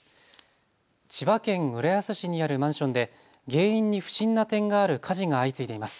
千葉県浦安市にあるマンションで原因に不審な点がある火事が相次いでいます。